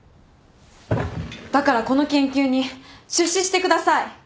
だからこの研究に出資してください！